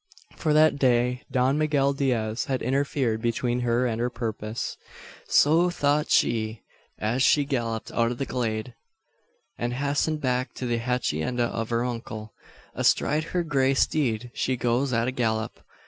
For that day Don Miguel Diaz had interfered between her and her purpose. So thought she, as she galloped out of the glade, and hastened back to the hacienda of her uncle. Astride her grey steed she goes at a gallop.